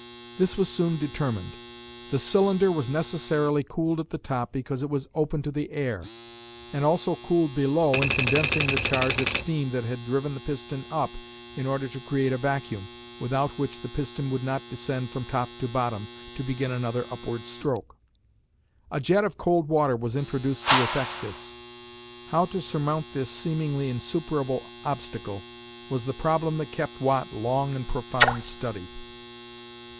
This was soon determined. The cylinder was necessarily cooled at the top because it was open to the air, and also cooled below in condensing the charge of steam that had driven the piston up in order to create a vacuum, without which the piston would not descend from top to bottom, to begin another upward stroke. A jet of cold water was introduced to effect this. How to surmount this seemingly insuperable obstacle was the problem that kept Watt long in profound study.